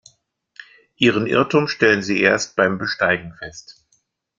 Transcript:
Ihren Irrtum stellen sie erst beim Besteigen fest.